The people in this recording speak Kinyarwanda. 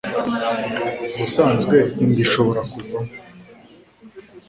Ubusanzwe inda ishobora kuvamo